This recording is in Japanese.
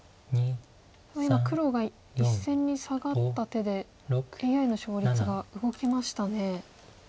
今黒が１線にサガった手でＡＩの勝率が動きましたね。